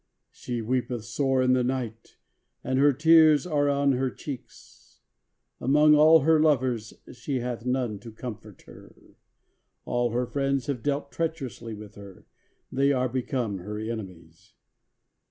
' "She weepeth sore in the night, and her tears are on her cheeks: among all her lovers she hath none to comfort her: all her friends have dealt treacherously with her, they are become her enemies.